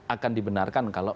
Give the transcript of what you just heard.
akan dibenarkan kalau